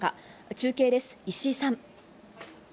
中継です、石井さん。